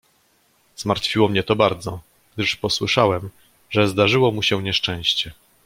"Zmartwiło mnie to bardzo, gdy posłyszałem, że zdarzyło mu się nieszczęście."